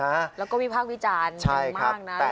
ค่ะแล้วก็วิพากษ์วิจารณ์ชอบมากนะคำรวจคำรวจใช่ครับ